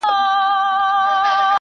پرېږده چي تڼاکي مي اوبه کم په اغزیو کي؛